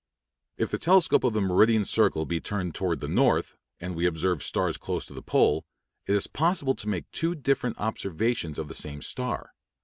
If the telescope of the meridian circle be turned toward the north, and we observe stars close to the pole, it is possible to make two different observations of the same star.